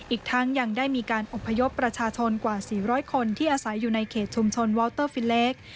อีกทั้งยังได้มีการอบพยพประชาชนกว่า๔๐๐คนที่อาศัยอยู่ในเขตชุมชนวอลเตอร์ฟิเล็ก